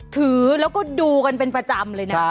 ถือแล้วก็ดูกันเป็นประจำเลยนะ